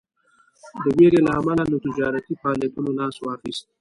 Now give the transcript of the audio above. د ویرې له امله له تجارتي فعالیتونو لاس واخیست.